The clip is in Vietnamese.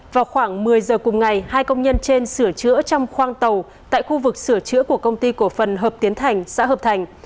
vào khoảng một mươi giờ cùng ngày hai công nhân trên sửa chữa trong khoang tàu tại khu vực sửa chữa của công ty cổ phần hợp tiến thành xã hợp thành